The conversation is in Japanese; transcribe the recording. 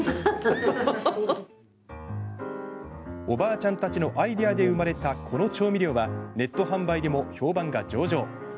おばあちゃんたちのアイデアで生まれたこの調味料はネット販売でも評判が上々。